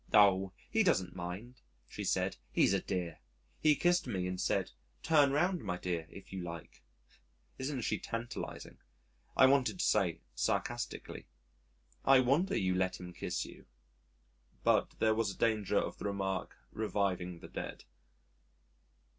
"Oh! he doesn't mind," she said. "He's a dear. He kissed me and said, 'Turn round my dear if you like.'" Isn't she tantalising? I wanted to say sarcastically, "I wonder you let him kiss you," but there was a danger of the remark reviving the dead.